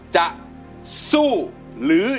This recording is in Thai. สวัสดีครับ